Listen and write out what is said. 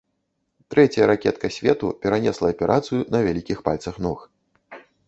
Трэцяя ракетка свету перанесла аперацыю на вялікіх пальцах ног.